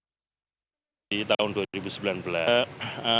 apa namanya tahun ini setidaknya kesempatan untuk melakukan